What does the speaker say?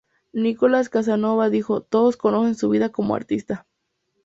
Nicolás Casanova dijo "Todos conocen su vida como artista.